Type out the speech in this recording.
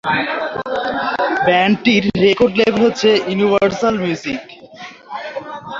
ব্যান্ডটির record লেভেল হচ্ছে Universal music.